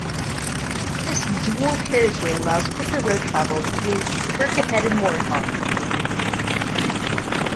This dual carriageway allows quicker road travel between Birkenhead and Moreton.